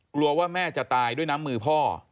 กลัวว่าแม่จะตายด้วยน้ำมือพ่อ